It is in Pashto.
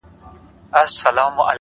داسي دي سترگي زما غمونه د زړگي ورانوي _